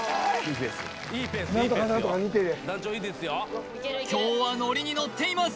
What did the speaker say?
いや何とか何とか二手で今日はノリにノっています